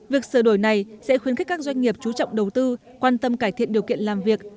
việc sửa đổi này sẽ khuyến khích các doanh nghiệp chú trọng đầu tư quan tâm cải thiện điều kiện làm việc